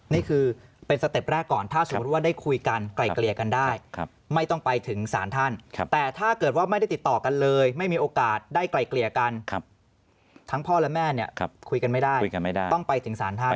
นี่คือเป็นสเต็ปแรกก่อนถ้าสมมุติว่าได้คุยกันไกลเกลี่ยกันได้ไม่ต้องไปถึงศาลท่านแต่ถ้าเกิดว่าไม่ได้ติดต่อกันเลยไม่มีโอกาสได้ไกลเกลี่ยกันทั้งพ่อและแม่เนี่ยคุยกันไม่ได้คุยกันไม่ได้ต้องไปถึงศาลท่าน